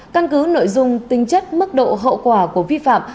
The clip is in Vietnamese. một căn cứ nội dung tinh chất mức độ hậu quả của vi phạm